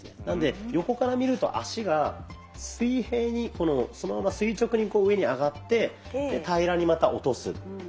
なので横から見ると足が水平にそのまま垂直に上に上がってで平らにまた落とす。